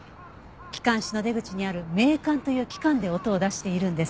気管支の出口にある鳴管という器官で音を出しているんです。